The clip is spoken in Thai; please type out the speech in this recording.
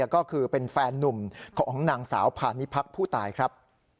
ก็คือเป็นแฟนนุ่มของนางสาวพานิพักษ์ผู้ตายครับ